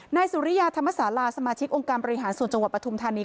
นายสุริยาธรรมศาลาสมาชิกองค์การบริหารส่วนจังหวัดปฐุมธานี